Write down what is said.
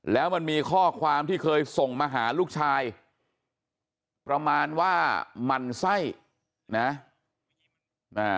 แล้วมันมีข้อความที่เคยส่งมาหาลูกชายประมาณว่าหมั่นไส้นะ